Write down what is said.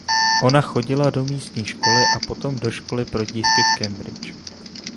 Ona chodila do místní školy a potom do školy pro dívky v Cambridge.